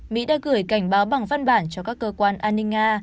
mỹ đã gửi cảnh báo bằng văn bản cho các cơ quan an ninh nga